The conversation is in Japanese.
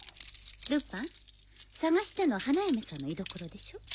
ルパン捜してるのは花嫁さんの居所でしょ？